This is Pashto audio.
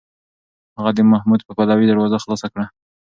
هغه د محمود په پلوۍ دروازه خلاصه کړه.